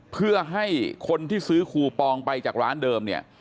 เพื่อให้คนที่ซื้อคูปองไปจากร้านเดิมเนี่ย